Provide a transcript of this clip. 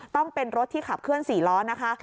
ต้องเป็นรถที่ขับเคลื่อน๔ล้อนะคะ